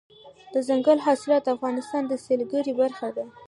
دځنګل حاصلات د افغانستان د سیلګرۍ برخه ده.